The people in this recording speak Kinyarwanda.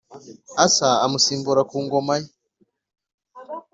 Asa amusimbura ku ngoma ye